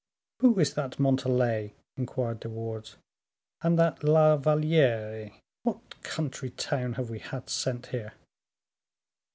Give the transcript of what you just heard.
"Who is that Montalais?" inquired De Wardes, "and that La Valliere? What country town have we had sent here?"